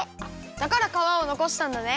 だからかわをのこしたんだね。